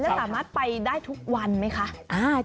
แล้วสามารถไปได้ทุกวันไหมคะ